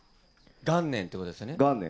元年てことですね。